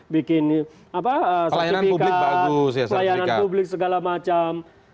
bikin sertifikat pelayanan publik segala macam